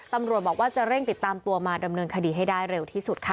ตำรวจบอกว่าจะเร่งติดตามตัวมาดำเนินคดีให้ได้เร็วที่สุดค่ะ